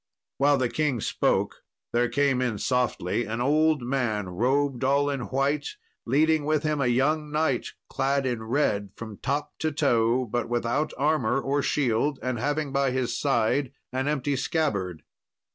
While the king spoke there came in softly an old man robed all in white, leading with him a young knight clad in red from top to toe, but without armour or shield, and having by his side an empty scabbard.